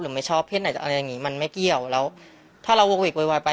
ไม่ชอบเพศไหนจะอะไรอย่างงี้มันไม่เกี่ยวแล้วถ้าเราโวกเวกโวยวายไป